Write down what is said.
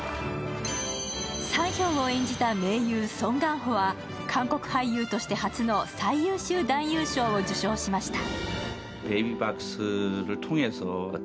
サンヒョンを演じたソン・ガンホは韓国俳優として初の最優秀男優賞を受賞しました。